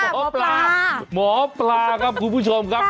หมอปลาหมอปลาครับคุณผู้ชมครับ